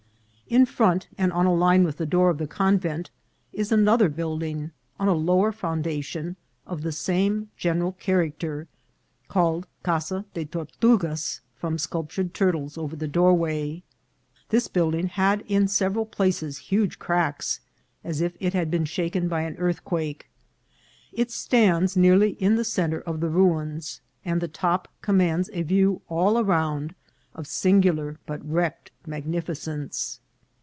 In front, and on a line with the door of the convent, is another building, on a lower foundation, of the same general character, called Casa de Tortugas, from sculp tured turtles over the doorway. This building had in several places huge cracks, as if it had been shaken by an earthquake. It stands nearly in the centre of the ruins, and the top commands a view all round of singu lar but wrecked magnificence.